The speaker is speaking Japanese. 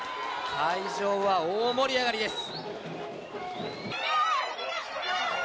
会場は大盛り上がりです。